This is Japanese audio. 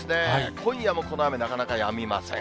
今夜もこの雨、なかなかやみません。